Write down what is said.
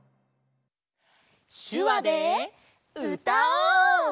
しゅわでうたおう！